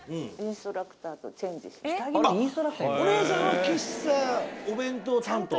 あっおねえさんは喫茶お弁当担当で。